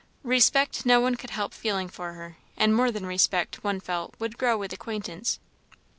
Respect no one could help feeling for her; and more than respect, one felt, would grow with acquaintance.